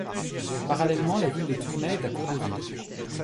Parallèlement, la ville de Tournai est à court de vivres.